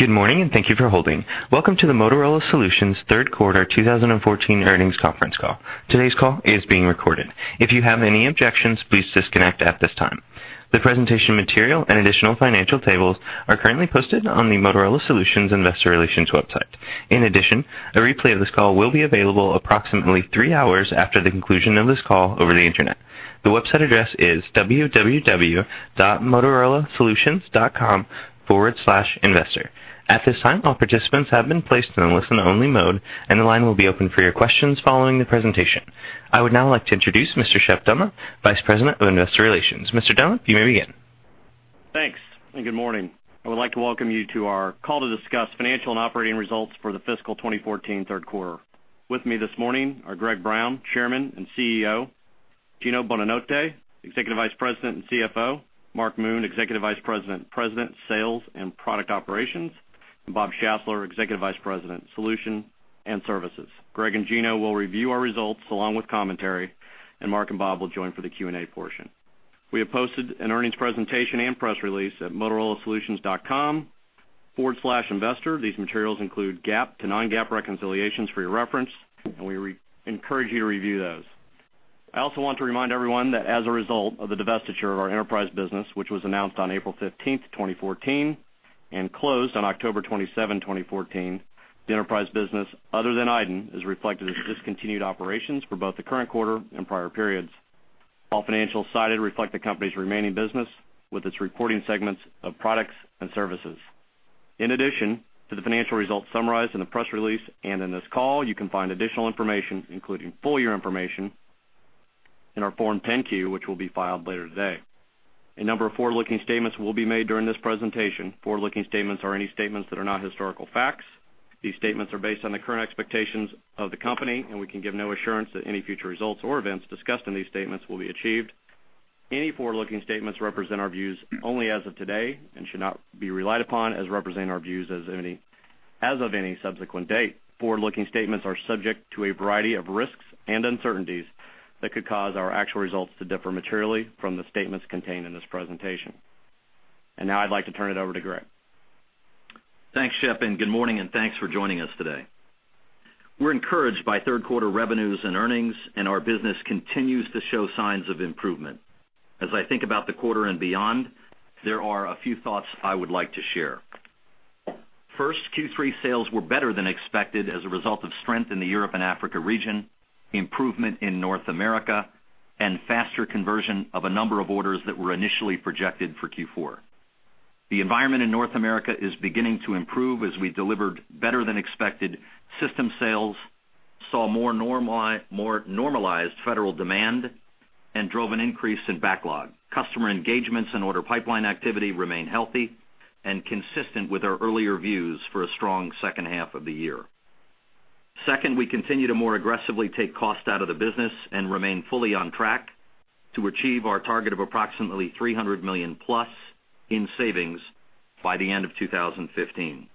Good morning, and thank you for holding. Welcome to the Motorola Solutions Third Quarter 2014 Earnings Conference Call. Today's call is being recorded. If you have any objections, please disconnect at this time. The presentation material and additional financial tables are currently posted on the Motorola Solutions Investor Relations website. In addition, a replay of this call will be available approximately three hours after the conclusion of this call over the Internet. The website address is www.motorolasolutions.com/investor. At this time, all participants have been placed in a listen-only mode, and the line will be open for your questions following the presentation. I would now like to introduce Mr. Shep Dunlap, Vice President of Investor Relations. Mr. Dunlap, you may begin. Thanks, and good morning. I would like to welcome you to our call to discuss financial and operating results for the Fiscal 2014 Third Quarter. With me this morning are Greg Brown, Chairman and CEO, Gino Bonanotte, Executive Vice President and CFO, Mark Moon, Executive Vice President, President, Sales and Product Operations, and Bob Schassler, Executive Vice President, Solutions and Services. Greg and Gino will review our results along with commentary, and Mark and Bob will join for the Q&A portion. We have posted an earnings presentation and press release at motorolasolutions.com/investor. These materials include GAAP to non-GAAP reconciliations for your reference, and we encourage you to review those. I also want to remind everyone that as a result of the divestiture of our enterprise business, which was announced on April 15, 2014, and closed on October 27, 2014, the enterprise business, other than iDEN, is reflected as discontinued operations for both the current quarter and prior periods. All financials cited reflect the company's remaining business with its reporting segments of products and services. In addition to the financial results summarized in the press release and in this call, you can find additional information, including full year information, in our Form 10-Q, which will be filed later today. A number of forward-looking statements will be made during this presentation. Forward-looking statements are any statements that are not historical facts. These statements are based on the current expectations of the company, and we can give no assurance that any future results or events discussed in these statements will be achieved. Any forward-looking statements represent our views only as of today and should not be relied upon as representing our views as of any subsequent date. Forward-looking statements are subject to a variety of risks and uncertainties that could cause our actual results to differ materially from the statements contained in this presentation. Now I'd like to turn it over to Greg. Thanks, Shep, and good morning, and thanks for joining us today. We're encouraged by third quarter revenues and earnings, and our business continues to show signs of improvement. As I think about the quarter and beyond, there are a few thoughts I would like to share. First, Q3 sales were better than expected as a result of strength in the Europe and Africa region, improvement in North America, and faster conversion of a number of orders that were initially projected for Q4. The environment in North America is beginning to improve as we delivered better-than-expected system sales, saw more normalized federal demand, and drove an increase in backlog. Customer engagements and order pipeline activity remain healthy and consistent with our earlier views for a strong second half of the year. Second, we continue to more aggressively take cost out of the business and remain fully on track to achieve our target of approximately $300 million+ in savings by the end of 2015.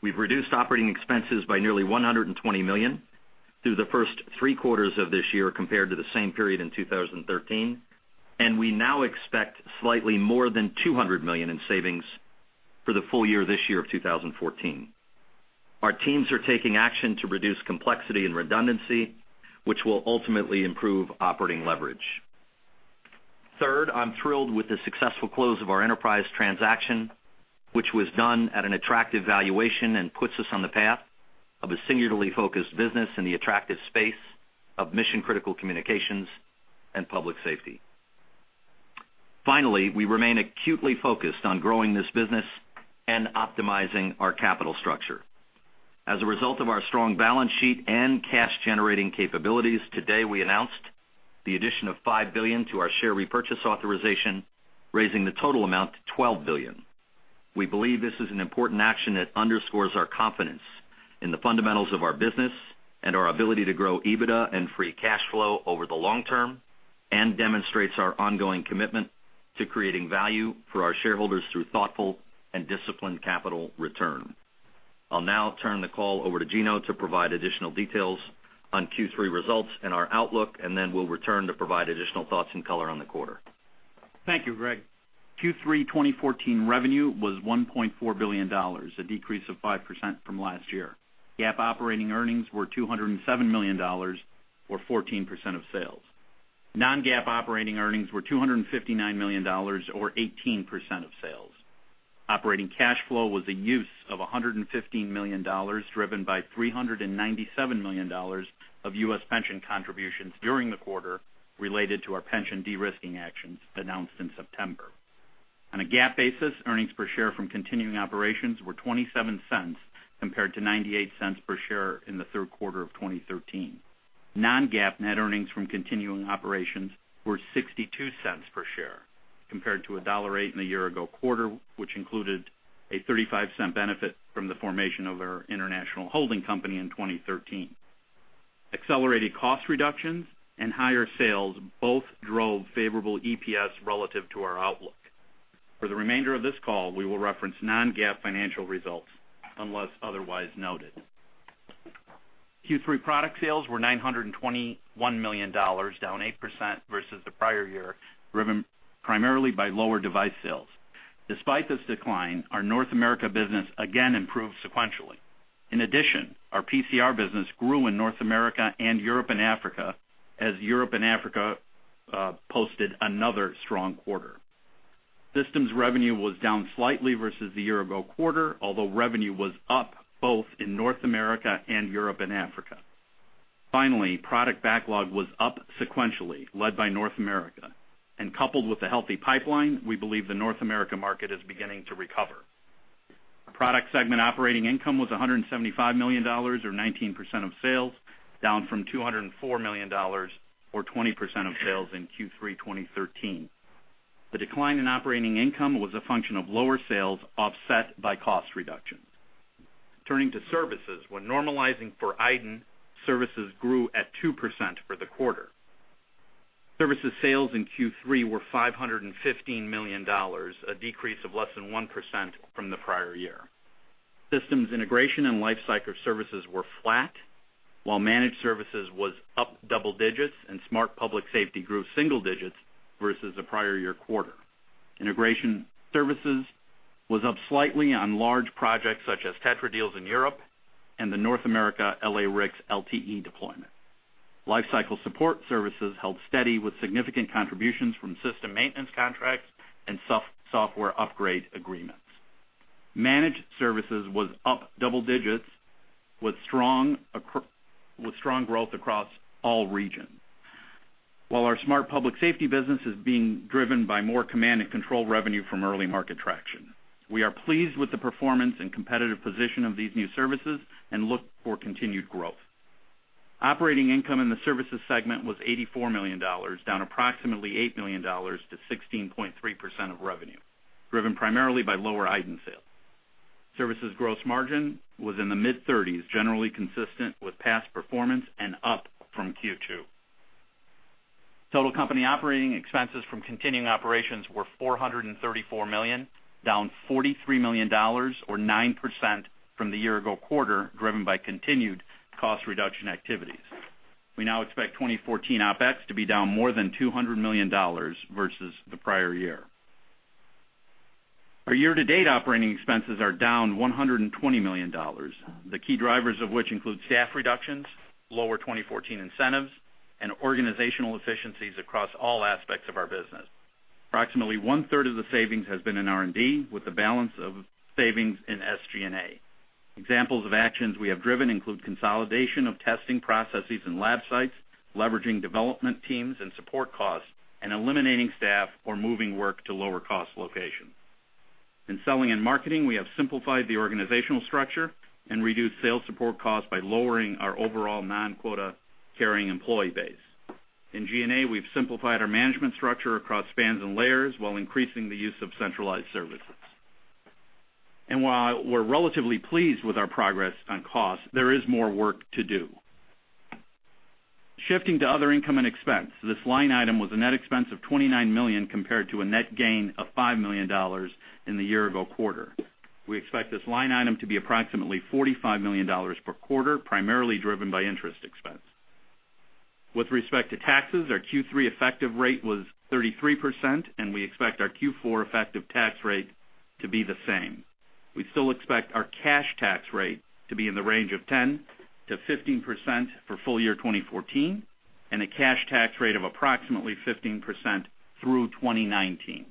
We've reduced operating expenses by nearly $120 million through the first three quarters of this year compared to the same period in 2013, and we now expect slightly more than $200 million in savings for the full year, this year of 2014. Our teams are taking action to reduce complexity and redundancy, which will ultimately improve operating leverage. Third, I'm thrilled with the successful close of our enterprise transaction, which was done at an attractive valuation and puts us on the path of a singularly focused business in the attractive space of mission-critical communications and public safety. Finally, we remain acutely focused on growing this business and optimizing our capital structure. As a result of our strong balance sheet and cash-generating capabilities, today, we announced the addition of $5 billion to our share repurchase authorization, raising the total amount to $12 billion. We believe this is an important action that underscores our confidence in the fundamentals of our business and our ability to grow EBITDA and free cash flow over the long term and demonstrates our ongoing commitment to creating value for our shareholders through thoughtful and disciplined capital return. I'll now turn the call over to Gino to provide additional details on Q3 results and our outlook, and then we'll return to provide additional thoughts and color on the quarter. Thank you, Greg. Q3 2014 revenue was $1.4 billion, a decrease of 5% from last year. GAAP operating earnings were $207 million, or 14% of sales. Non-GAAP operating earnings were $259 million, or 18% of sales. Operating cash flow was a use of $115 million, driven by $397 million of U.S. pension contributions during the quarter related to our pension de-risking actions announced in September. On a GAAP basis, earnings per share from continuing operations were $0.27, compared to $0.98 per share in the third quarter of 2013. Non-GAAP net earnings from continuing operations were $0.62 per share, compared to $1.08 in the year ago quarter, which included a $0.35 benefit from the formation of our international holding company in 2013. Accelerated cost reductions and higher sales both drove favorable EPS relative to our outlook. For the remainder of this call, we will reference non-GAAP financial results, unless otherwise noted.... Q3 product sales were $921 million, down 8% versus the prior year, driven primarily by lower device sales. Despite this decline, our North America business again improved sequentially. In addition, our PCR business grew in North America and Europe and Africa, as Europe and Africa posted another strong quarter. Systems revenue was down slightly versus the year-ago quarter, although revenue was up both in North America and Europe and Africa. Finally, product backlog was up sequentially, led by North America, and coupled with a healthy pipeline, we believe the North America market is beginning to recover. Product segment operating income was $175 million, or 19% of sales, down from $204 million, or 20% of sales in Q3, 2013. The decline in operating income was a function of lower sales, offset by cost reductions. Turning to services. When normalizing for iDEN, services grew at 2% for the quarter. Services sales in Q3 were $515 million, a decrease of less than 1% from the prior year. Systems integration and lifecycle services were flat, while managed services was up double digits, and smart public safety grew single digits versus the prior year quarter. Integration services was up slightly on large projects such as TETRA deals in Europe and North America, LA-RICS LTE deployment. Lifecycle support services held steady, with significant contributions from system maintenance contracts and software upgrade agreements. Managed services was up double digits, with strong growth across all regions. While our smart public safety business is being driven by more command and control revenue from early market traction, we are pleased with the performance and competitive position of these new services and look for continued growth. Operating income in the services segment was $84 million, down approximately $8 million to 16.3% of revenue, driven primarily by lower iDEN sales. Services gross margin was in the mid-thirties, generally consistent with past performance and up from Q2. Total company operating expenses from continuing operations were $434 million, down $43 million or 9% from the year-ago quarter, driven by continued cost reduction activities. We now expect 2014 OpEx to be down more than $200 million versus the prior year. Our year-to-date operating expenses are down $120 million. The key drivers of which include staff reductions, lower 2014 incentives, and organizational efficiencies across all aspects of our business. Approximately one-third of the savings has been in R&D, with the balance of savings in SG&A. Examples of actions we have driven include consolidation of testing processes and lab sites, leveraging development teams and support costs, and eliminating staff or moving work to lower cost locations. In selling and marketing, we have simplified the organizational structure and reduced sales support costs by lowering our overall non-quota carrying employee base. In G&A, we've simplified our management structure across spans and layers, while increasing the use of centralized services. While we're relatively pleased with our progress on costs, there is more work to do. Shifting to other income and expense. This line item was a net expense of $29 million, compared to a net gain of $5 million in the year-ago quarter. We expect this line item to be approximately $45 million per quarter, primarily driven by interest expense. With respect to taxes, our Q3 effective rate was 33%, and we expect our Q4 effective tax rate to be the same. We still expect our cash tax rate to be in the range of 10%-15% for full year 2014, and a cash tax rate of approximately 15% through 2019.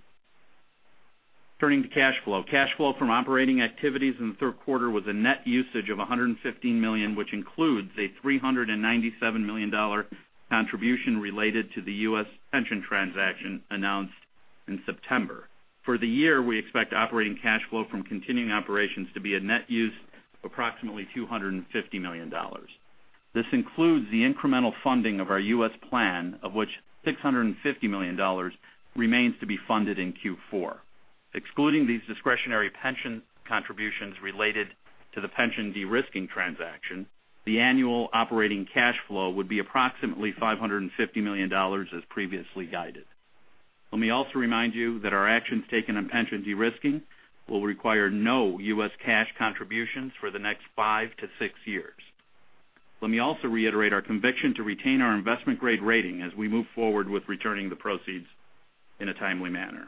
Turning to cash flow. Cash flow from operating activities in the third quarter was a net usage of $115 million, which includes a $397 million contribution related to the U.S. pension transaction announced in September. For the year, we expect operating cash flow from continuing operations to be a net use of approximately $250 million. This includes the incremental funding of our U.S. plan, of which $650 million remains to be funded in Q4. Excluding these discretionary pension contributions related to the pension de-risking transaction, the annual operating cash flow would be approximately $550 million, as previously guided. Let me also remind you that our actions taken on pension de-risking will require no U.S. cash contributions for the next five to six years. Let me also reiterate our conviction to retain our investment-grade rating as we move forward with returning the proceeds in a timely manner.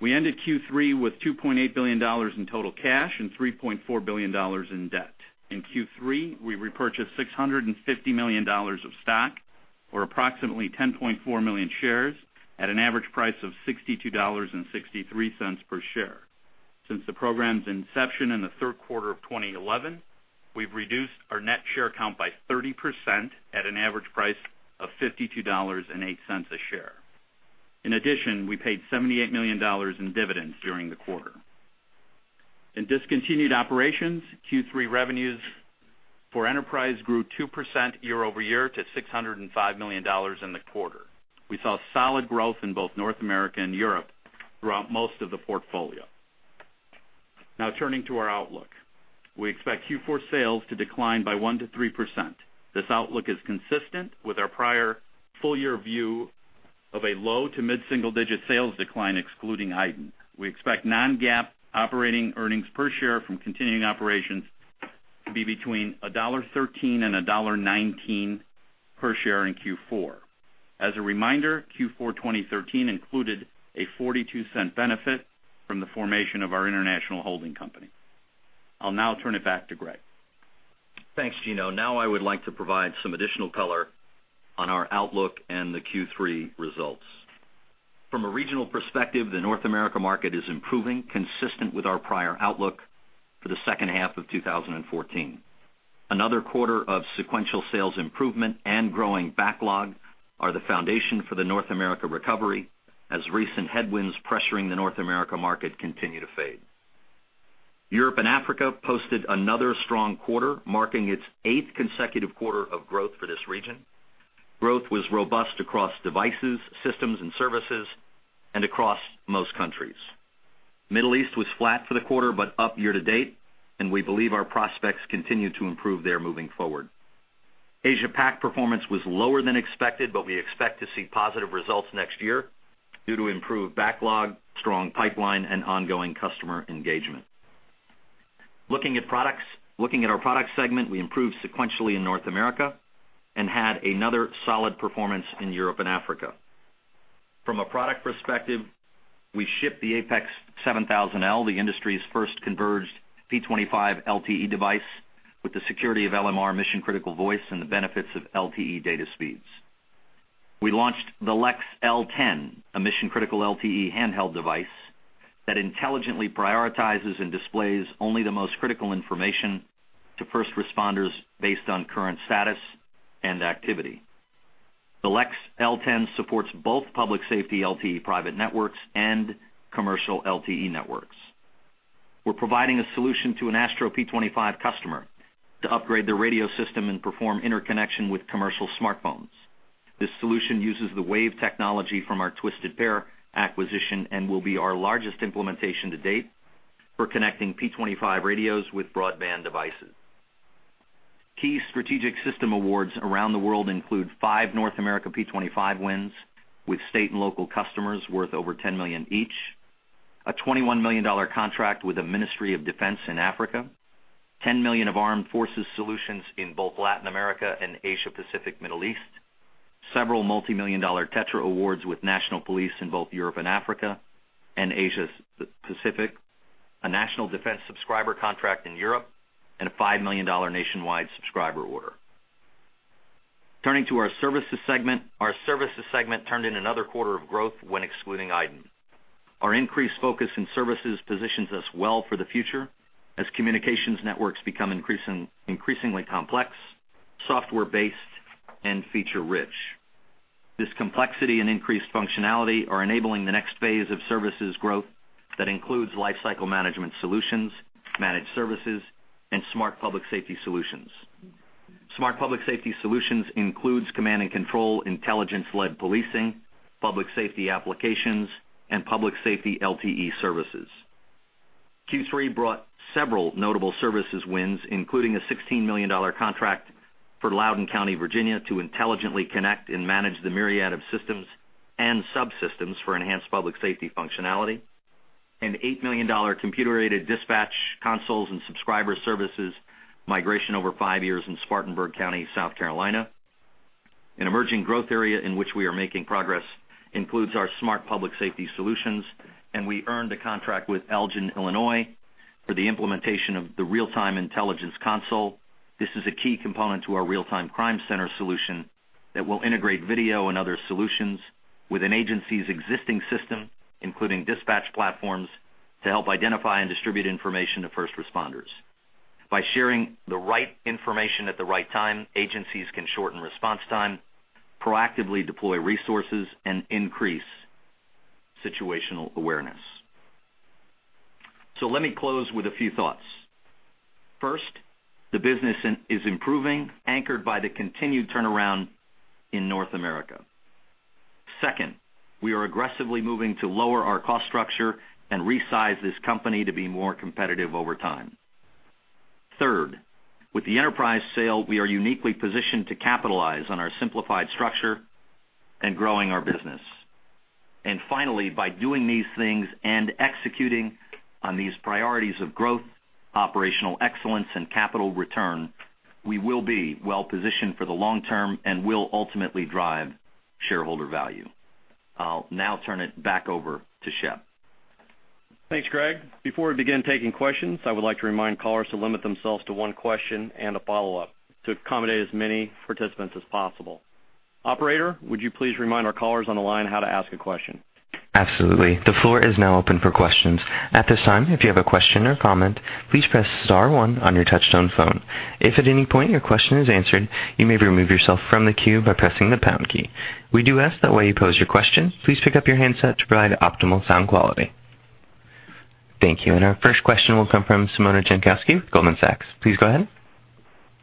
We ended Q3 with $2.8 billion in total cash and $3.4 billion in debt. In Q3, we repurchased $650 million of stock, or approximately 10.4 million shares, at an average price of $62.63 per share. Since the program's inception in the third quarter of 2011, we've reduced our net share count by 30% at an average price of $52.08 a share. In addition, we paid $78 million in dividends during the quarter. In discontinued operations, Q3 revenues for Enterprise grew 2% year-over-year to $605 million in the quarter. We saw solid growth in both North America and Europe throughout most of the portfolio. Now, turning to our outlook. We expect Q4 sales to decline by 1%-3%....This outlook is consistent with our prior full-year view of a low- to mid-single-digit sales decline, excluding iDEN. We expect non-GAAP operating earnings per share from continuing operations to be between $1.13 and $1.19 per share in Q4. As a reminder, Q4 2013 included a $0.42 benefit from the formation of our international holding company. I'll now turn it back to Greg. Thanks, Gino. Now, I would like to provide some additional color on our outlook and the Q3 results. From a regional perspective, the North America market is improving, consistent with our prior outlook for the second half of 2014. Another quarter of sequential sales improvement and growing backlog are the foundation for the North America recovery, as recent headwinds pressuring the North America market continue to fade. Europe and Africa posted another strong quarter, marking its eighth consecutive quarter of growth for this region. Growth was robust across devices, systems, and services, and across most countries. Middle East was flat for the quarter, but up year to date, and we believe our prospects continue to improve there moving forward. Asia Pac performance was lower than expected, but we expect to see positive results next year due to improved backlog, strong pipeline, and ongoing customer engagement. Looking at products, looking at our product segment, we improved sequentially in North America and had another solid performance in Europe and Africa. From a product perspective, we shipped the APX 7000L, the industry's first converged P25 LTE device with the security of LMR mission-critical voice and the benefits of LTE data speeds. We launched the LEX L10, a mission-critical LTE handheld device that intelligently prioritizes and displays only the most critical information to first responders based on current status and activity. The LEX L10 supports both public safety, LTE private networks, and commercial LTE networks. We're providing a solution to an ASTRO P25 customer to upgrade their radio system and perform interconnection with commercial smartphones. This solution uses the WAVE technology from our Twisted Pair acquisition and will be our largest implementation to date for connecting P25 radios with broadband devices. Key strategic system awards around the world include five North America P25 wins, with state and local customers worth over $10 million each, a $21 million contract with the Ministry of Defense in Africa, $10 million of armed forces solutions in both Latin America and Asia Pacific, Middle East, several multimillion-dollar TETRA awards with national police in both Europe and Africa and Asia Pacific, a national defense subscriber contract in Europe, and a $5 million nationwide subscriber order. Turning to our services segment. Our services segment turned in another quarter of growth when excluding iDEN. Our increased focus in services positions us well for the future as communications networks become increasingly complex, software-based, and feature-rich. This complexity and increased functionality are enabling the next phase of services growth that includes lifecycle management solutions, managed services, and smart public safety solutions. Smart Public Safety Solutions includes command and control, intelligence-led policing, public safety applications, and public safety LTE services. Q3 brought several notable services wins, including a $16 million contract for Loudoun County, Virginia, to intelligently connect and manage the myriad of systems and subsystems for enhanced public safety functionality, an $8 million computer-aided dispatch consoles and subscriber services migration over five years in Spartanburg County, South Carolina. An emerging growth area in which we are making progress includes our Smart Public Safety Solutions, and we earned a contract with Elgin, Illinois, for the implementation of the Real-Time Intelligence Console. This is a key component to our Real-Time Crime Center solution that will integrate video and other solutions with an agency's existing system, including dispatch platforms, to help identify and distribute information to first responders. By sharing the right information at the right time, agencies can shorten response time, proactively deploy resources, and increase situational awareness. So let me close with a few thoughts. First, the business is improving, anchored by the continued turnaround in North America. Second, we are aggressively moving to lower our cost structure and resize this company to be more competitive over time. Third, with the enterprise sale, we are uniquely positioned to capitalize on our simplified structure and growing our business. And finally, by doing these things and executing on these priorities of growth, operational excellence, and capital return, we will be well positioned for the long term and will ultimately drive shareholder value. I'll now turn it back over to Shep. Thanks, Greg. Before we begin taking questions, I would like to remind callers to limit themselves to one question and a follow-up to accommodate as many participants as possible. Operator, would you please remind our callers on the line how to ask a question? Absolutely. The floor is now open for questions. At this time, if you have a question or comment, please press star one on your touchtone phone. If at any point your question is answered, you may remove yourself from the queue by pressing the pound key. We do ask that while you pose your question, please pick up your handset to provide optimal sound quality. Thank you. Our first question will come from Simona Jankowski, with Goldman Sachs. Please go ahead.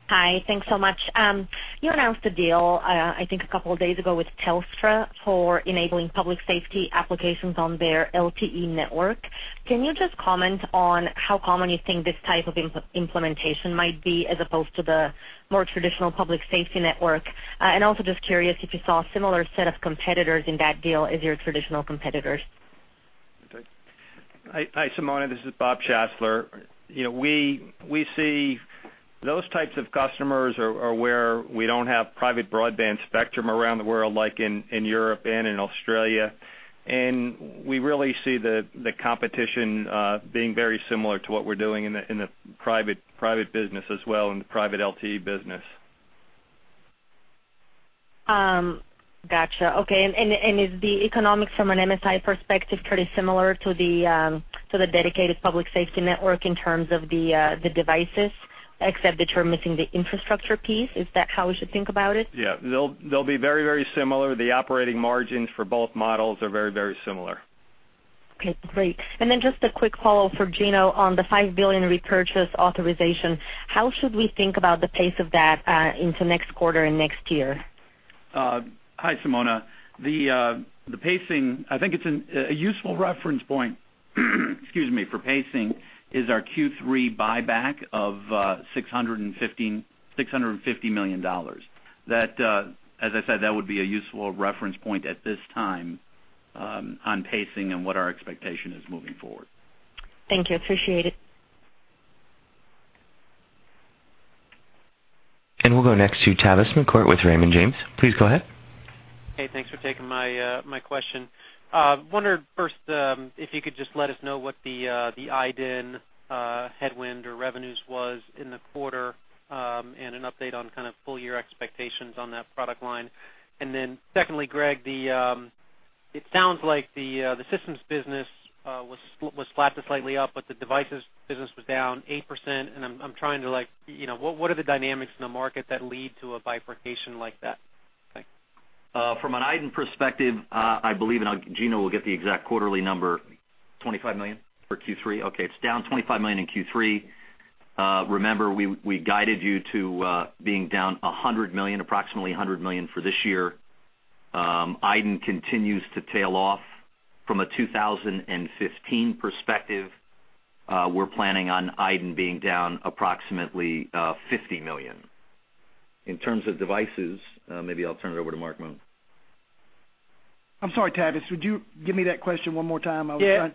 Hi, thanks so much. You announced a deal, I think a couple of days ago with Telstra for enabling public safety applications on their LTE network. Can you just comment on how common you think this type of implementation might be, as opposed to the more traditional public safety network? And also just curious if you saw a similar set of competitors in that deal as your traditional competitors? Hi, Simona, this is Bob Schassler. You know, we see those types of customers are where we don't have private broadband spectrum around the world, like in Europe and in Australia. And we really see the competition being very similar to what we're doing in the private business as well, in the private LTE business. Gotcha. Okay. And is the economics from an MSI perspective pretty similar to the dedicated public safety network in terms of the devices, except that you're missing the infrastructure piece? Is that how we should think about it? Yeah. They'll, they'll be very, very similar. The operating margins for both models are very, very similar. Okay, great. And then just a quick follow-up for Gino on the $5 billion repurchase authorization. How should we think about the pace of that into next quarter and next year? Hi, Simona. The pacing, I think it's a useful reference point for pacing is our Q3 buyback of $650 million. That, as I said, that would be a useful reference point at this time on pacing and what our expectation is moving forward. Thank you. Appreciate it. We'll go next to Tavis McCourt with Raymond James. Please go ahead. Hey, thanks for taking my question. Wondered first, if you could just let us know what the iDEN headwind or revenues was in the quarter, and an update on kind of full year expectations on that product line. And then secondly, Greg, it sounds like the systems business was flat to slightly up, but the devices business was down 8%. And I'm trying to like, you know, what are the dynamics in the market that lead to a bifurcation like that? Thanks. From an iDEN perspective, I believe, and Gino will get the exact quarterly number, $25 million for Q3. Okay, it's down $25 million in Q3. Remember, we guided you to being down $100 million, approximately $100 million for this year. iDEN continues to tail off. From a 2015 perspective, we're planning on iDEN being down approximately $50 million. In terms of devices, maybe I'll turn it over to Mark Moon. I'm sorry, Tavis, would you give me that question one more time? I was- Yeah.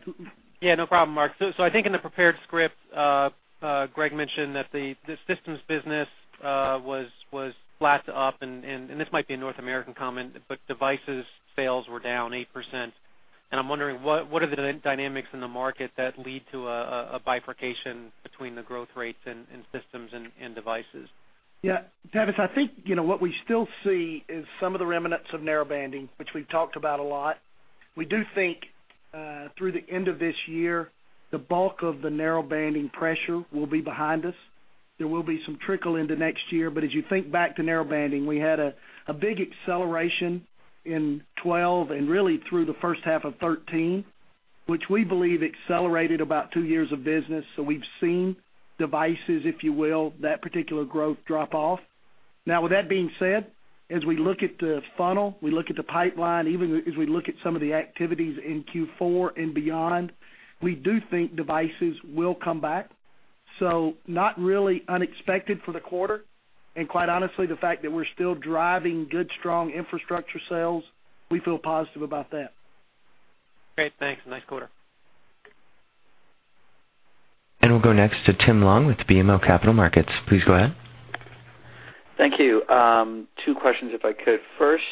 Yeah, no problem, Mark. So I think in the prepared script, Greg mentioned that the systems business was flat to up, and this might be a North American comment, but devices sales were down 8%. And I'm wondering, what are the dynamics in the market that lead to a bifurcation between the growth rates in systems and devices? Yeah, Tavis, I think, you know, what we still see is some of the remnants of Narrowbanding, which we've talked about a lot. We do think through the end of this year, the bulk of the Narrowbanding pressure will be behind us. There will be some trickle into next year, but as you think back to Narrowbanding, we had a big acceleration in 2012 and really through the first half of 2013, which we believe accelerated about two years of business. So we've seen devices, if you will, that particular growth drop off. Now, with that being said, as we look at the funnel, we look at the pipeline, even as we look at some of the activities in Q4 and beyond, we do think devices will come back. Not really unexpected for the quarter, and quite honestly, the fact that we're still driving good, strong infrastructure sales. We feel positive about that. Great. Thanks. Nice quarter. We'll go next to Tim Long with BMO Capital Markets. Please go ahead. Thank you. Two questions, if I could. First,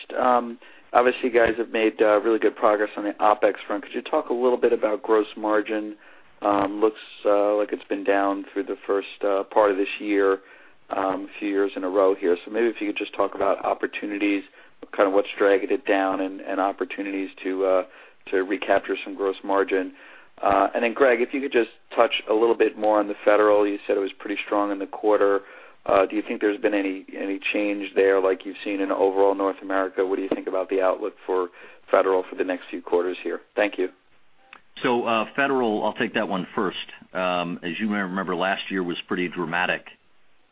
obviously, you guys have made really good progress on the OpEx front. Could you talk a little bit about gross margin? Looks like it's been down through the first part of this year, a few years in a row here. So maybe if you could just talk about opportunities, kind of what's dragging it down and, and opportunities to recapture some gross margin. And then, Greg, if you could just touch a little bit more on the federal. You said it was pretty strong in the quarter. Do you think there's been any, any change there like you've seen in overall North America? What do you think about the outlook for federal for the next few quarters here? Thank you. So, federal, I'll take that one first. As you may remember, last year was pretty dramatic,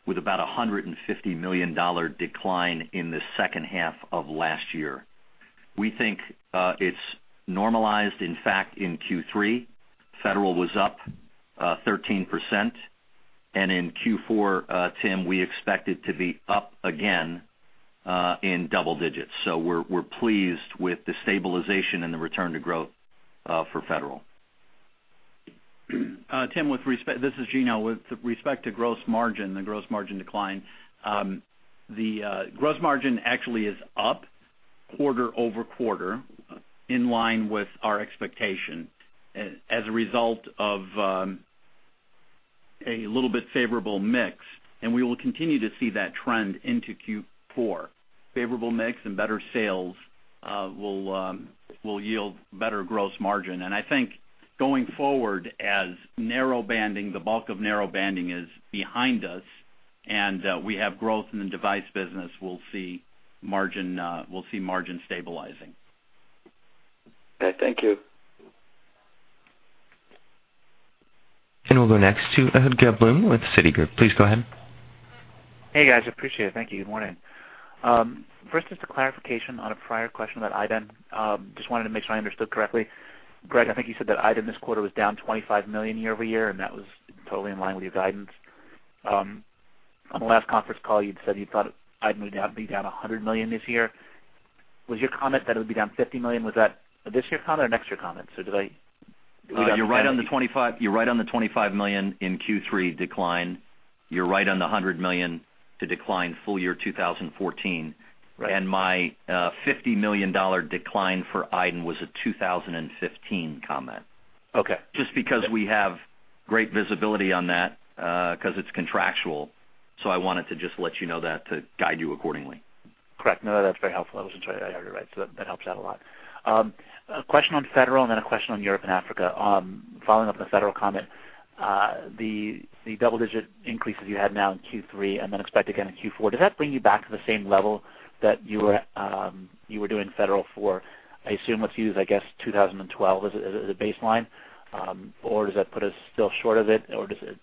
with about a $150 million decline in the second half of last year. We think it's normalized. In fact, in Q3, federal was up 13%, and in Q4, Tim, we expect it to be up again in double digits. So we're pleased with the stabilization and the return to growth for federal. Tim, with respect... This is Gino. With respect to gross margin, the gross margin decline, the gross margin actually is up quarter-over-quarter, in line with our expectation, as a result of a little bit favorable mix, and we will continue to see that trend into Q4. Favorable mix and better sales will yield better gross margin. I think going forward, as Narrowbanding, the bulk of Narrowbanding is behind us... and we have growth in the device business. We'll see margin stabilizing. Okay, thank you. We'll go next to Ehud Gelblum with Citigroup. Please go ahead. Hey, guys, appreciate it. Thank you. Good morning. First, just a clarification on a prior question about iDEN. Just wanted to make sure I understood correctly. Greg, I think you said that iDEN this quarter was down $25 million year-over-year, and that was totally in line with your guidance. On the last conference call, you'd said you thought iDEN would be down $100 million this year. Was your comment that it would be down $50 million? Was that a this year comment or next year comment? So did I read that correctly? You're right on the 25, you're right on the $25 million in Q3 decline. You're right on the $100 million to decline full year 2014. Right. My $50 million decline for IDEN was a 2015 comment. Okay. Just because we have great visibility on that, because it's contractual, so I wanted to just let you know that to guide you accordingly. Correct. No, that's very helpful. I wasn't sure I heard it right, so that helps out a lot. A question on federal and then a question on Europe and Africa. Following up on the federal comment, the double-digit increases you had now in Q3 and then expect again in Q4, does that bring you back to the same level that you were doing federal for, I assume, let's use, I guess, 2012 as a baseline? Or does that put us still short of it, or does it...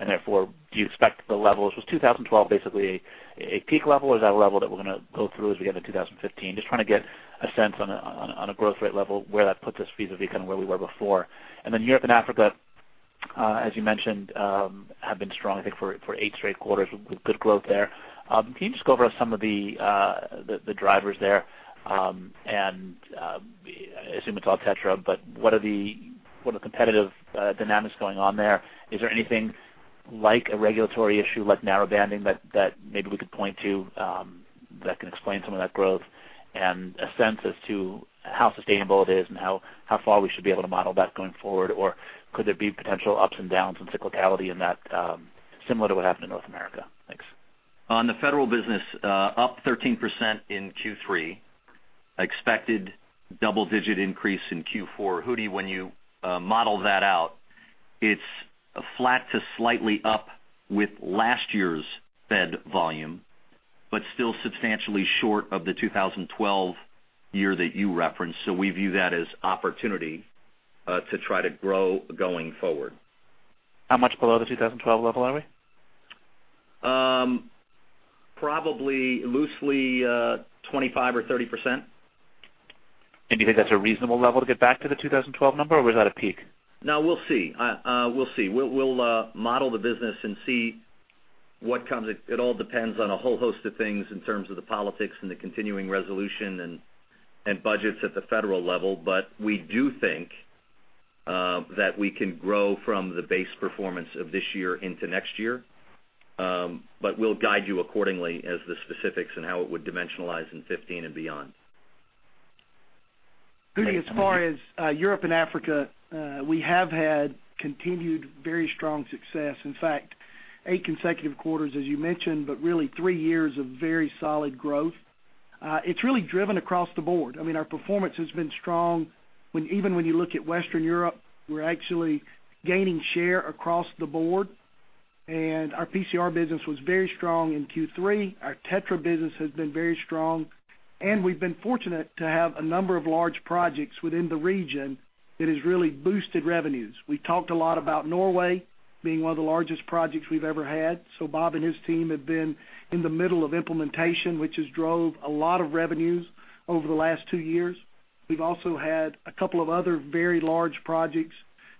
And therefore, do you expect the levels, was 2012 basically a peak level, or is that a level that we're going to go through as we get into 2015? Just trying to get a sense on a growth rate level, where that puts us vis-a-vis kind of where we were before. And then Europe and Africa, as you mentioned, have been strong, I think, for eight straight quarters with good growth there. Can you just go over some of the drivers there? And I assume it's all TETRA, but what are the competitive dynamics going on there? Is there anything like a regulatory issue, like Narrowbanding, that maybe we could point to that can explain some of that growth? And a sense as to how sustainable it is and how far we should be able to model that going forward? Or could there be potential ups and downs and cyclicality in that, similar to what happened in North America? Thanks. On the federal business, up 13% in Q3, expected double-digit increase in Q4. Ehud, when you model that out, it's flat to slightly up with last year's fed volume, but still substantially short of the 2012 year that you referenced. So we view that as opportunity, to try to grow going forward. How much below the 2012 level are we? Probably loosely, 25%-30%. Do you think that's a reasonable level to get back to the 2012 number, or was that a peak? No, we'll see. We'll model the business and see what comes. It all depends on a whole host of things in terms of the politics and the continuing resolution and budgets at the federal level. But we do think that we can grow from the base performance of this year into next year. But we'll guide you accordingly as the specifics and how it would dimensionalize in 2015 and beyond. Ehud, as far as Europe and Africa, we have had continued very strong success. In fact, eight consecutive quarters, as you mentioned, but really three years of very solid growth. It's really driven across the board. I mean, our performance has been strong, even when you look at Western Europe, we're actually gaining share across the board, and our PCR business was very strong in Q3. Our TETRA business has been very strong, and we've been fortunate to have a number of large projects within the region that has really boosted revenues. We talked a lot about Norway being one of the largest projects we've ever had. So Bob and his team have been in the middle of implementation, which has drove a lot of revenues over the last two years. We've also had a couple of other very large projects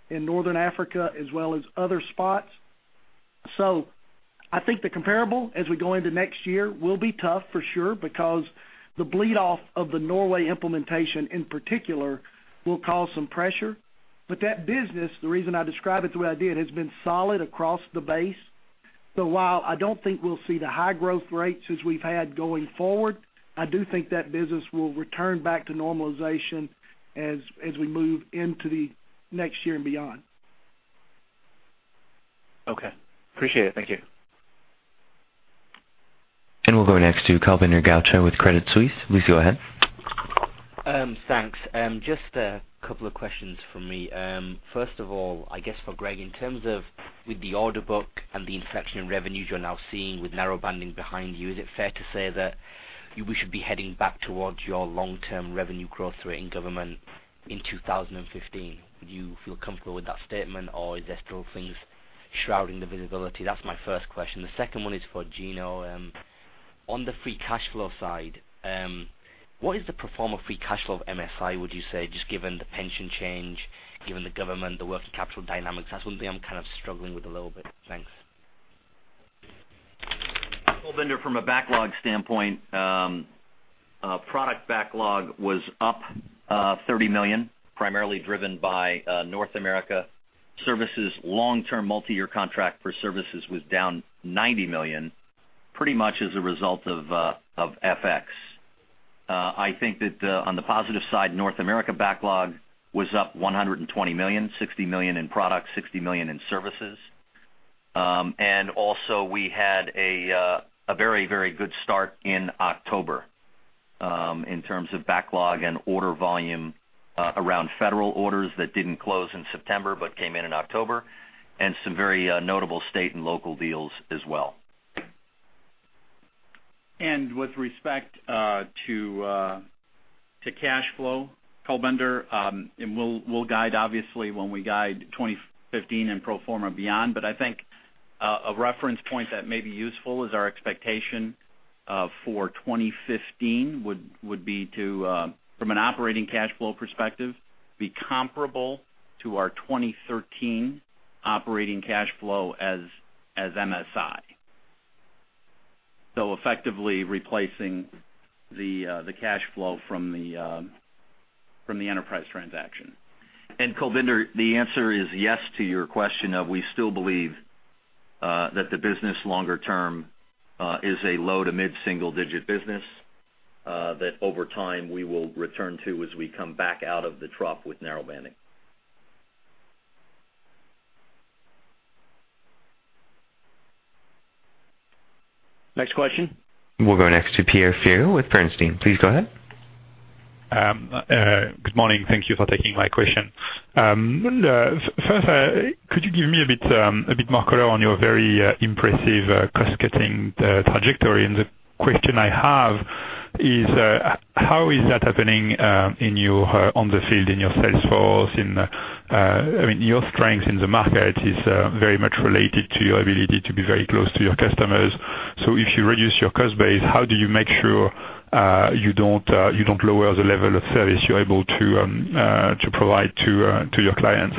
in Northern Africa as well as other spots. So I think the comparable, as we go into next year, will be tough for sure, because the bleed-off of the Norway implementation in particular, will cause some pressure. But that business, the reason I describe it the way I did, has been solid across the base. So while I don't think we'll see the high growth rates as we've had going forward, I do think that business will return back to normalization as we move into the next year and beyond. Okay, appreciate it. Thank you. We'll go next to Kulbinder Garcha with Credit Suisse. Please go ahead. Thanks. Just a couple of questions from me. First of all, I guess for Greg, in terms of with the order book and the inflection in revenues you're now seeing with Narrowbanding behind you, is it fair to say that we should be heading back towards your long-term revenue growth rate in government in 2015? Would you feel comfortable with that statement, or is there still things shrouding the visibility? That's my first question. The second one is for Gino. On the free cash flow side, what is the pro forma free cash flow of MSI, would you say, just given the pension change, given the government, the working capital dynamics? That's one thing I'm kind of struggling with a little bit. Thanks. Well, Kulbinder, from a backlog standpoint, product backlog was up $30 million, primarily driven by North America. Services long-term multi-year contract for services was down $90 million, pretty much as a result of FX. I think that on the positive side, North America backlog was up $120 million, $60 million in product, $60 million in services. And also, we had a very, very good start in October in terms of backlog and order volume around federal orders that didn't close in September, but came in in October, and some very notable state and local deals as well. With respect to cash flow, Kulbinder, and we'll guide, obviously, when we guide 2015 and pro forma beyond, but I think a reference point that may be useful is our expectation for 2015 would be to from an operating cash flow perspective be comparable to our 2013 operating cash flow as MSI. Effectively replacing the cash flow from the enterprise transaction. Kulbinder, the answer is yes to your question of, we still believe, that the business longer term, is a low- to mid-single-digit business, that over time, we will return to as we come back out of the trough with Narrowbanding. Next question? We'll go next to Pierre Ferragu with Bernstein. Please go ahead. Good morning. Thank you for taking my question. First, could you give me a bit, a bit more color on your very impressive cost-cutting trajectory? And the question I have is, how is that happening, in your on the field, in your sales force, in, I mean, your strength in the market is very much related to your ability to be very close to your customers. So if you reduce your cost base, how do you make sure you don't, you don't lower the level of service you're able to to provide to to your clients?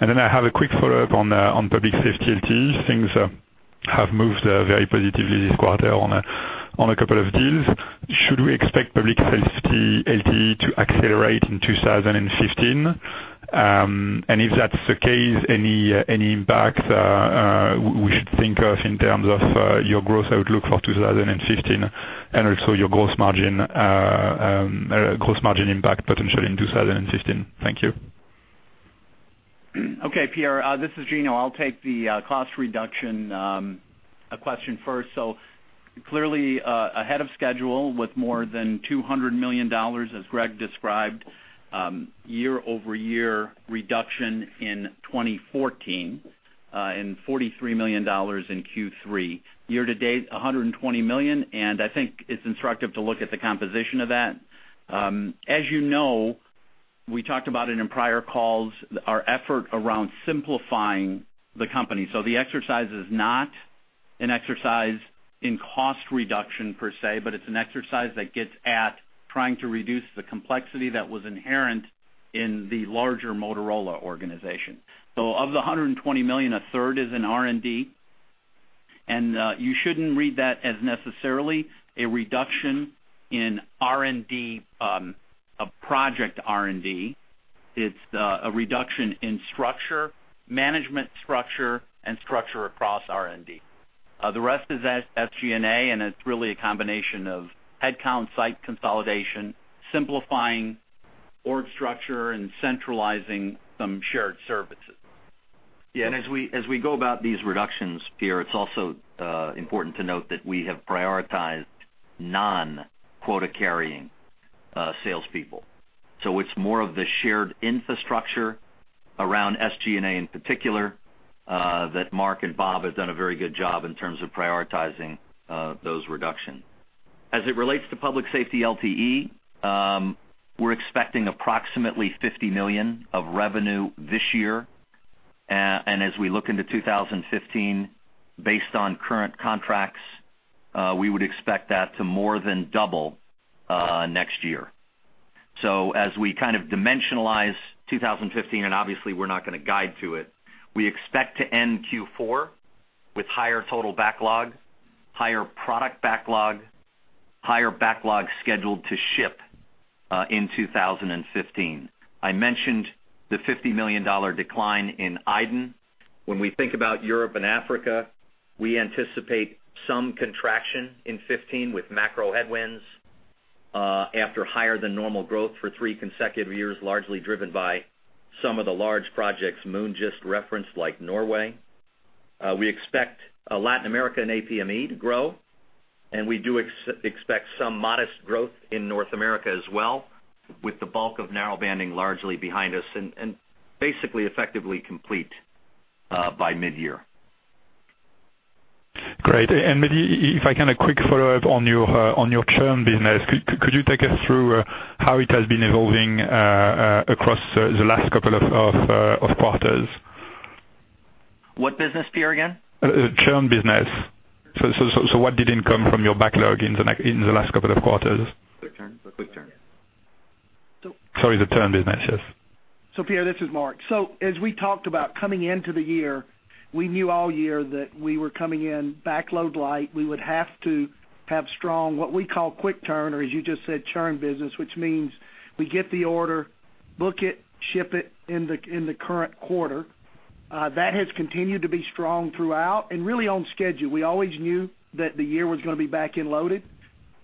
And then I have a quick follow-up on on Public Safety LTE. Things have moved very positively this quarter on a on a couple of deals. Should we expect Public Safety LTE to accelerate in 2015? And if that's the case, any impacts we should think of in terms of your growth outlook for 2015, and also your gross margin, gross margin impact potentially in 2015? Thank you. Okay, Pierre, this is Gino. I'll take the cost reduction question first. So clearly, ahead of schedule with more than $200 million, as Greg described, year-over-year reduction in 2014, and $43 million in Q3. Year to date, $120 million, and I think it's instructive to look at the composition of that. As you know, we talked about it in prior calls, our effort around simplifying the company. So the exercise is not an exercise in cost reduction per se, but it's an exercise that gets at trying to reduce the complexity that was inherent in the larger Motorola organization. So of the $120 million, a third is in R&D. And you shouldn't read that as necessarily a reduction in R&D, a project R&D. It's a reduction in structure, management structure, and structure across R&D. The rest is SG&A, and it's really a combination of headcount, site consolidation, simplifying org structure, and centralizing some shared services. Yeah, and as we, as we go about these reductions, Pierre, it's also important to note that we have prioritized non-quota carrying salespeople. So it's more of the shared infrastructure around SG&A, in particular, that Mark and Bob have done a very good job in terms of prioritizing those reduction. As it relates to Public Safety LTE, we're expecting approximately $50 million of revenue this year. And as we look into 2015, based on current contracts, we would expect that to more than double next year. So as we kind of dimensionalize 2015, and obviously, we're not going to guide to it, we expect to end Q4 with higher total backlog, higher product backlog, higher backlog scheduled to ship in 2015. I mentioned the $50 million decline in IDEN. When we think about Europe and Africa, we anticipate some contraction in 2015 with macro headwinds, after higher than normal growth for 3 consecutive years, largely driven by some of the large projects Moon just referenced, like Norway. We expect Latin America and APME to grow, and we do expect some modest growth in North America as well, with the bulk of Narrowbanding largely behind us and basically effectively complete by mid-year. Great. And maybe if I can, a quick follow-up on your churn business. Could you take us through how it has been evolving across the last couple of quarters? What business, Pierre, again? Churn business. So, what did come from your backlog in the last couple of quarters? Quick turn. Quick turn. Sorry, the churn business, yes. So Pierre, this is Mark. So as we talked about coming into the year, we knew all year that we were coming in backloaded light. We would have to have strong, what we call quick turn, or as you just said, churn business, which means we get the order, book it, ship it in the current quarter. That has continued to be strong throughout and really on schedule. We always knew that the year was gonna be backloaded.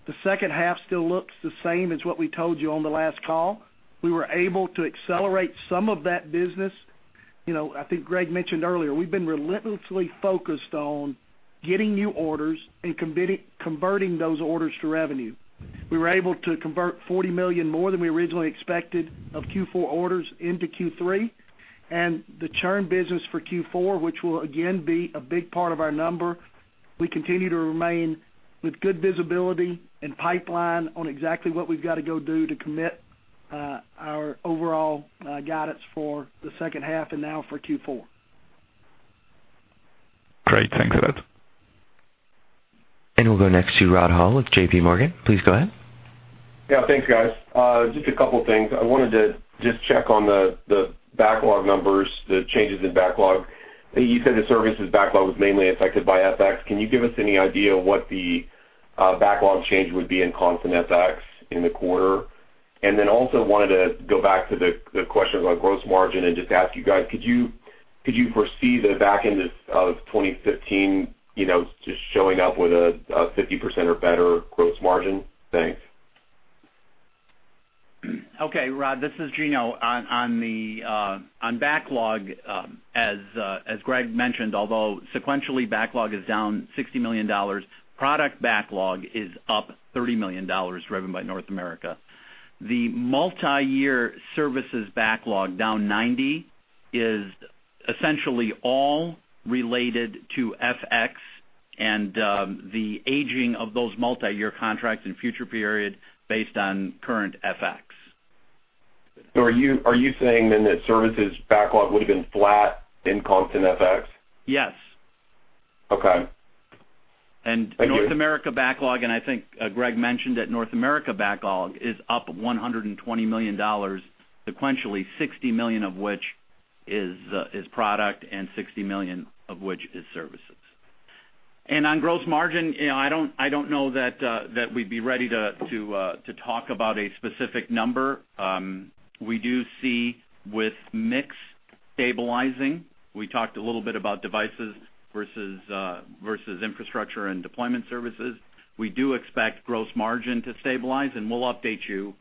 The second half still looks the same as what we told you on the last call. We were able to accelerate some of that business.... You know, I think Greg mentioned earlier, we've been relentlessly focused on getting new orders and converting those orders to revenue. We were able to convert $40 million more than we originally expected of Q4 orders into Q3, and the churn business for Q4, which will again be a big part of our number. We continue to remain with good visibility and pipeline on exactly what we've got to go do to commit our overall guidance for the second half and now for Q4. Great. Thanks for that. We'll go next to Rod Hall with J.P. Morgan. Please go ahead. Yeah, thanks, guys. Just a couple of things. I wanted to just check on the backlog numbers, the changes in backlog. You said the services backlog was mainly affected by FX. Can you give us any idea of what the backlog change would be in constant FX in the quarter? And then also wanted to go back to the question about gross margin and just ask you guys, could you foresee the back end of 2015, you know, just showing up with a 50% or better gross margin? Thanks. Okay, Rod, this is Gino. On the backlog, as Greg mentioned, although sequentially, backlog is down $60 million, product backlog is up $30 million, driven by North America. The multiyear services backlog down $90 million, is essentially all related to FX and the aging of those multiyear contracts in future periods based on current FX. So are you saying then that services backlog would have been flat in constant FX? Yes. Okay. Thank you. North America backlog, and I think Greg mentioned that North America backlog is up $120 million, sequentially, $60 million of which is product and $60 million of which is services. And on gross margin, you know, I don't know that that we'd be ready to to talk about a specific number. We do see with mix stabilizing, we talked a little bit about devices versus versus infrastructure and deployment services. We do expect gross margin to stabilize, and we'll update you,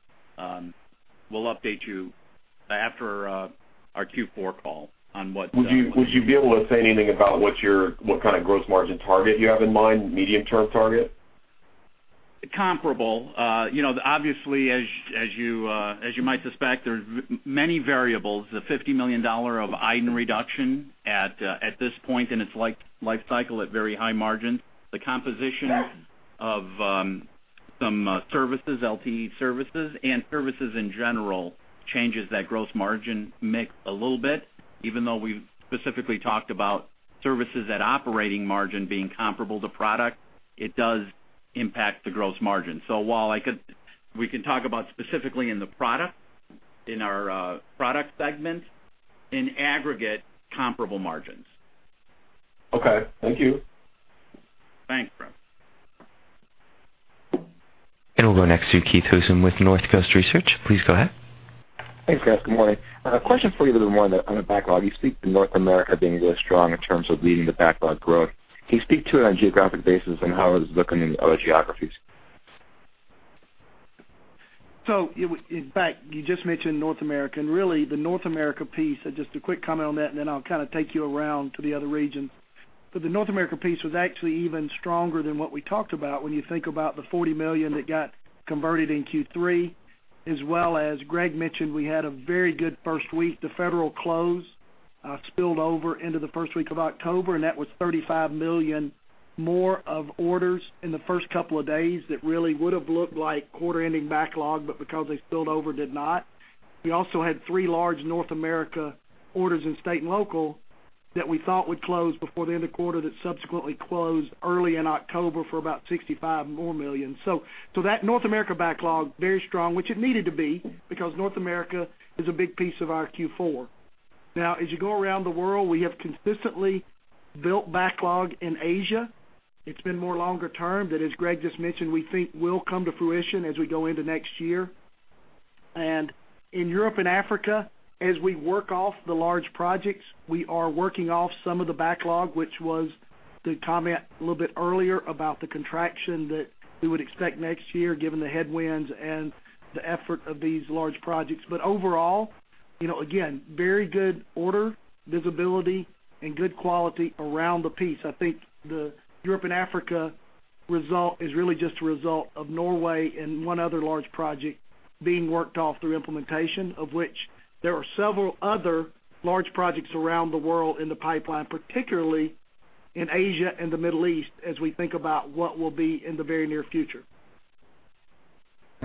we'll update you after our Q4 call on what- Would you be able to say anything about what kind of gross margin target you have in mind, medium-term target? Comparable. You know, obviously, as you might suspect, there's many variables, the $50 million of iDEN reduction at this point in its life cycle at very high margins. The composition of some services, LTE services and services in general, changes that gross margin mix a little bit, even though we've specifically talked about services at operating margin being comparable to product, it does impact the gross margin. So while we can talk about specifically in the product, in our product segment, in aggregate, comparable margins. Okay, thank you. Thanks, Rod. We'll go next to Keith Housum with North Coast Research. Please go ahead. Thanks, guys. Good morning. A question for you, little more on the backlog. You speak to North America being really strong in terms of leading the backlog growth. Can you speak to it on a geographic basis and how it's looking in other geographies? So in fact, you just mentioned North America, and really, the North America piece, just a quick comment on that, and then I'll kind of take you around to the other regions. So the North America piece was actually even stronger than what we talked about when you think about the $40 million that got converted in Q3, as well as Greg mentioned, we had a very good first week. The federal close spilled over into the first week of October, and that was $35 million more of orders in the first couple of days that really would have looked like quarter-ending backlog, but because they spilled over, did not. We also had three large North America orders in state and local that we thought would close before the end of quarter, that subsequently closed early in October for about $65 million more. So, so that North America backlog, very strong, which it needed to be, because North America is a big piece of our Q4. Now, as you go around the world, we have consistently built backlog in Asia. It's been more longer term, that, as Greg just mentioned, we think will come to fruition as we go into next year. And in Europe and Africa, as we work off the large projects, we are working off some of the backlog, which was the comment a little bit earlier about the contraction that we would expect next year, given the headwinds and the effort of these large projects. But overall, you know, again, very good order, visibility, and good quality around the piece. I think the Europe and Africa result is really just a result of Norway and one other large project being worked off through implementation, of which there are several other large projects around the world in the pipeline, particularly in Asia and the Middle East, as we think about what will be in the very near future.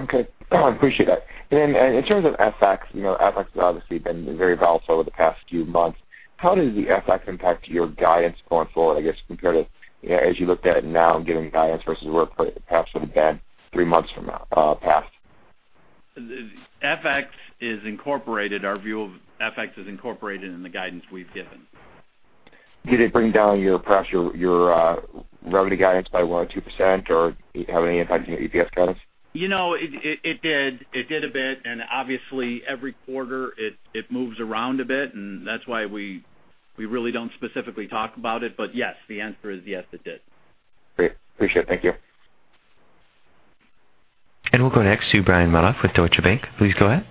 Okay, I appreciate that. In terms of FX, you know, FX has obviously been very volatile over the past few months. How does the FX impact your guidance going forward, I guess, compared to, you know, as you looked at it now and giving guidance versus where it perhaps would have been three months from now, past? FX is incorporated. Our view of FX is incorporated in the guidance we've given. Did it bring down your, perhaps your revenue guidance by 1 or 2%, or did it have any impact on your EPS guidance? You know, it did. It did a bit, and obviously, every quarter, it moves around a bit, and that's why we really don't specifically talk about it. But yes, the answer is yes, it did. Great. Appreciate it. Thank you.... And we'll go next to Brian Modoff with Deutsche Bank. Please go ahead.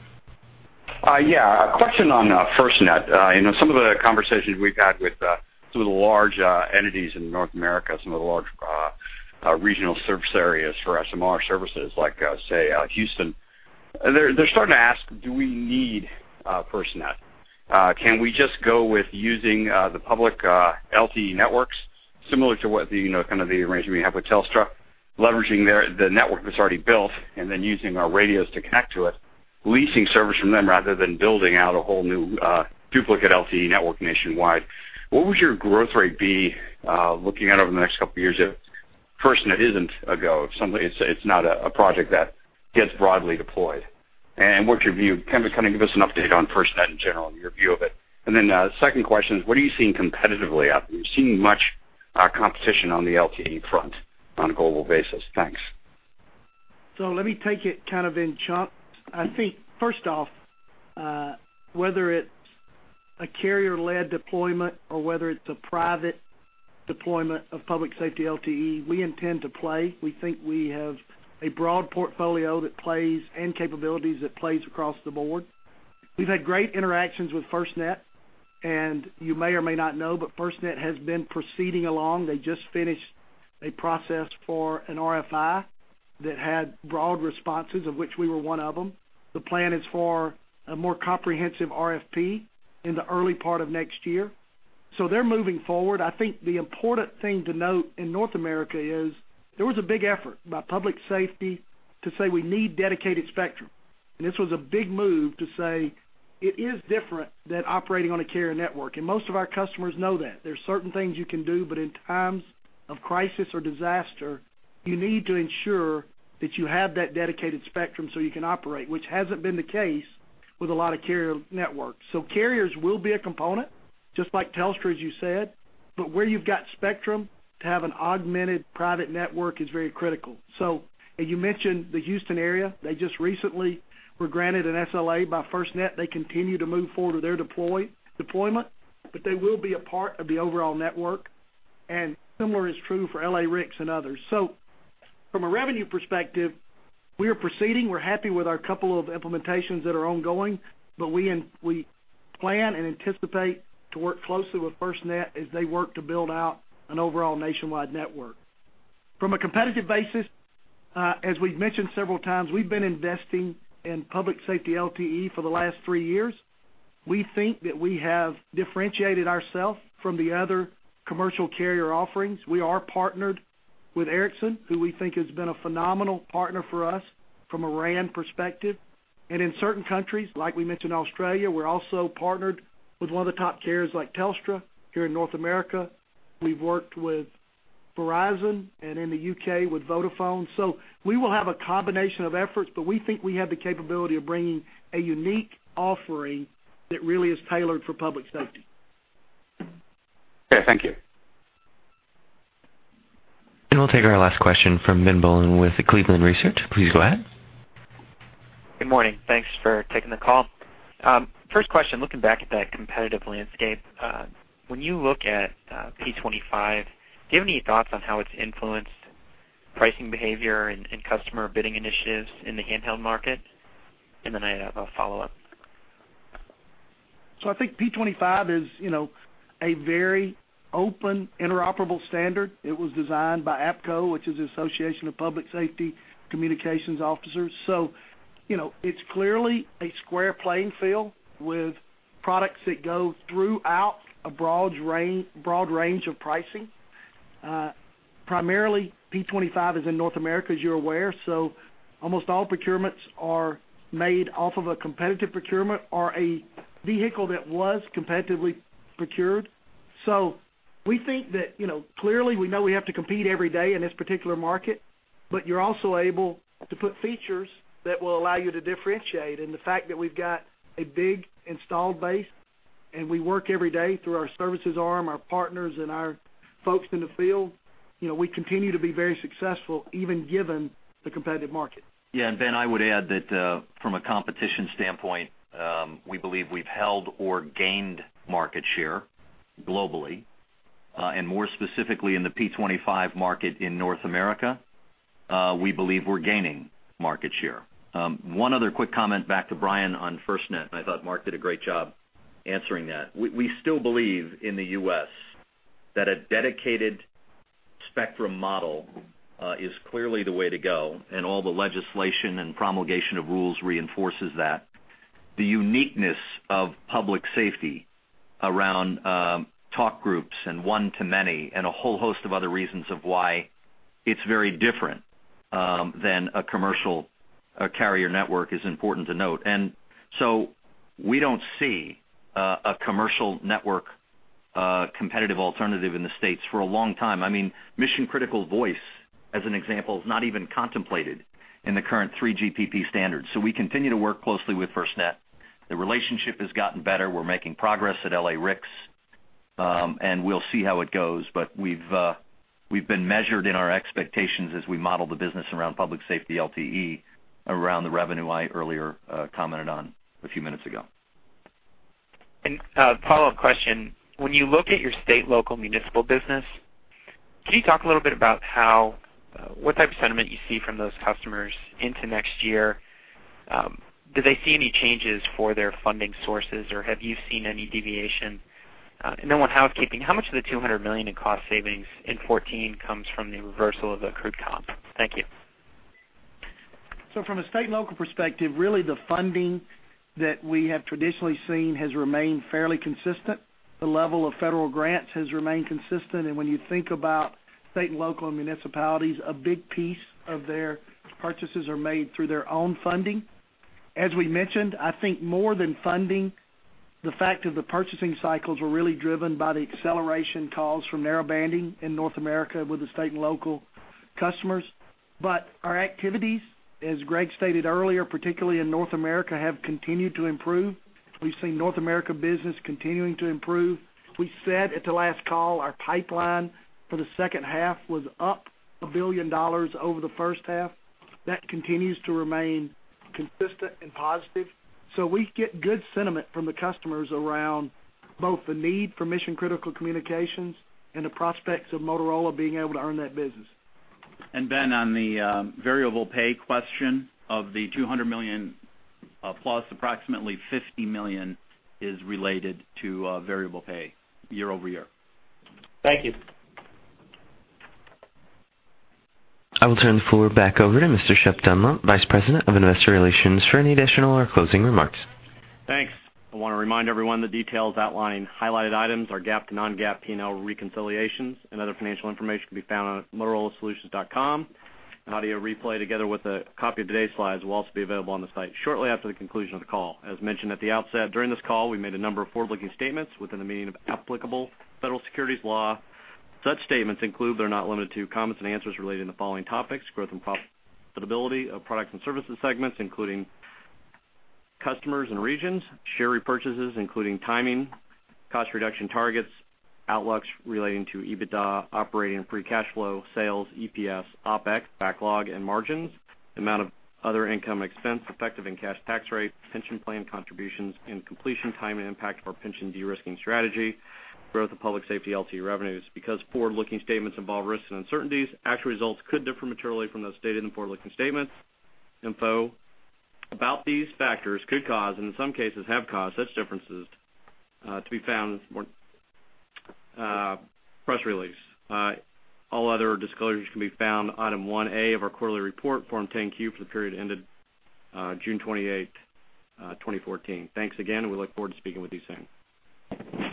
Yeah, a question on FirstNet. You know, some of the conversations we've had with some of the large regional service areas for SMR services, like, say, Houston, they're starting to ask, "Do we need FirstNet? Can we just go with using the public LTE networks, similar to what the, you know, kind of the arrangement we have with Telstra, leveraging their the network that's already built, and then using our radios to connect to it, leasing service from them rather than building out a whole new duplicate LTE network nationwide?" What would your growth rate be, looking out over the next couple of years if FirstNet isn't a go, if it's not a project that gets broadly deployed? And what's your view? Kind of, kind of give us an update on FirstNet in general, and your view of it. And then, second question is, what are you seeing competitively out there? Are you seeing much, competition on the LTE front on a global basis? Thanks. So let me take it kind of in chunks. I think, first off, whether it's a carrier-led deployment or whether it's a private deployment of public safety LTE, we intend to play. We think we have a broad portfolio that plays, and capabilities that plays across the board. We've had great interactions with FirstNet, and you may or may not know, but FirstNet has been proceeding along. They just finished a process for an RFI that had broad responses, of which we were one of them. The plan is for a more comprehensive RFP in the early part of next year. So they're moving forward. I think the important thing to note in North America is there was a big effort by public safety to say: We need dedicated spectrum. This was a big move to say it is different than operating on a carrier network, and most of our customers know that. There are certain things you can do, but in times of crisis or disaster, you need to ensure that you have that dedicated spectrum so you can operate, which hasn't been the case with a lot of carrier networks. So carriers will be a component, just like Telstra, as you said, but where you've got spectrum to have an augmented private network is very critical. So, and you mentioned the Houston area, they just recently were granted an SLA by FirstNet. They continue to move forward with their deployment, but they will be a part of the overall network, and similar is true for LA-RICS and others. So from a revenue perspective, we are proceeding. We're happy with our couple of implementations that are ongoing, but we plan and anticipate to work closely with FirstNet as they work to build out an overall nationwide network. From a competitive basis, as we've mentioned several times, we've been investing in public safety LTE for the last three years. We think that we have differentiated ourselves from the other commercial carrier offerings. We are partnered with Ericsson, who we think has been a phenomenal partner for us from a RAN perspective. And in certain countries, like we mentioned, Australia, we're also partnered with one of the top carriers, like Telstra. Here in North America, we've worked with Verizon, and in the U.K., with Vodafone. So we will have a combination of efforts, but we think we have the capability of bringing a unique offering that really is tailored for public safety. Okay, thank you. We'll take our last question from Ben Bollin with the Cleveland Research Company. Please go ahead. Good morning. Thanks for taking the call. First question, looking back at that competitive landscape, when you look at P25, do you have any thoughts on how it's influenced pricing behavior and customer bidding initiatives in the handheld market? And then I have a follow-up. So I think P25 is, you know, a very open, interoperable standard. It was designed by APCO, which is the Association of Public Safety Communications Officials. So, you know, it's clearly a square playing field with products that go throughout a broad range of pricing. Primarily, P25 is in North America, as you're aware, so almost all procurements are made off of a competitive procurement or a vehicle that was competitively procured. So we think that, you know, clearly, we know we have to compete every day in this particular market, but you're also able to put features that will allow you to differentiate. And the fact that we've got a big installed base, and we work every day through our services arm, our partners, and our folks in the field, you know, we continue to be very successful, even given the competitive market. Yeah, and, Ben, I would add that, from a competition standpoint, we believe we've held or gained market share globally, and more specifically, in the P25 market in North America, we believe we're gaining market share. One other quick comment back to Brian on FirstNet, and I thought Mark did a great job answering that. We still believe in the U.S., that a dedicated spectrum model is clearly the way to go, and all the legislation and promulgation of rules reinforces that. The uniqueness of public safety around talk groups and one-to-many, and a whole host of other reasons of why it's very different than a commercial carrier network is important to note. And so we don't see a commercial network competitive alternative in the States for a long time. I mean, mission-critical voice, as an example, is not even contemplated in the current 3GPP standards. So we continue to work closely with FirstNet. The relationship has gotten better. We're making progress at LA-RICS, and we'll see how it goes. But we've been measured in our expectations as we model the business around public safety LTE, around the revenue I earlier commented on a few minutes ago.... And a follow-up question, when you look at your state, local municipal business, can you talk a little bit about how, what type of sentiment you see from those customers into next year? Do they see any changes for their funding sources, or have you seen any deviation? And then on housekeeping, how much of the $200 million in cost savings in 2014 comes from the reversal of the equity comp? Thank you. So from a state and local perspective, really the funding that we have traditionally seen has remained fairly consistent. The level of federal grants has remained consistent, and when you think about state and local municipalities, a big piece of their purchases are made through their own funding. As we mentioned, I think more than funding, the fact of the purchasing cycles were really driven by the acceleration calls from Narrowbanding in North America with the state and local customers. But our activities, as Greg stated earlier, particularly in North America, have continued to improve. We've seen North America business continuing to improve. We said at the last call, our pipeline for the second half was up $1 billion over the first half. That continues to remain consistent and positive. So we get good sentiment from the customers around both the need for mission-critical communications and the prospects of Motorola being able to earn that business. Ben, on the variable pay question, of the $200 million plus, approximately $50 million is related to variable pay year-over-year. Thank you. I will turn the floor back over to Mr. Shep Dunlap, Vice President of Investor Relations, for any additional or closing remarks. Thanks. I want to remind everyone the details outlined, highlighted items are GAAP to non-GAAP P&L reconciliations, and other financial information can be found on MotorolaSolutions.com. An audio replay, together with a copy of today's slides, will also be available on the site shortly after the conclusion of the call. As mentioned at the outset, during this call, we made a number of forward-looking statements within the meaning of applicable federal securities law. Such statements include, but are not limited to, comments and answers relating to the following topics: growth and profitability of products and services segments, including customers and regions; share repurchases, including timing; cost reduction targets; outlooks relating to EBITDA, operating free cash flow, sales, EPS, OpEx, backlog, and margins; amount of other income expense, effective cash tax rate, pension plan contributions, and completion time and impact of our pension de-risking strategy, growth of public safety LTE revenues. Because forward-looking statements involve risks and uncertainties, actual results could differ materially from those stated in the forward-looking statement. Information about these factors could cause, and in some cases have caused, such differences to be found in the press release. All other disclosures can be found in Item 1A of our quarterly report, Form 10-Q, for the period ended June 28, 2014. Thanks again, and we look forward to speaking with you soon.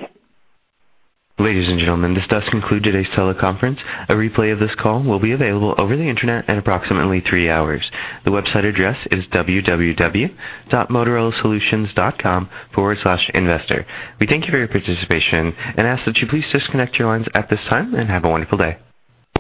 Ladies and gentlemen, this does conclude today's teleconference. A replay of this call will be available over the Internet in approximately three hours. The website address is www.motorolasolutions.com/investor. We thank you for your participation and ask that you please disconnect your lines at this time and have a wonderful day.